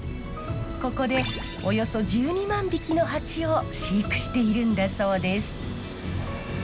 ここでおよそ１２万匹の蜂を飼育しているんだそうです。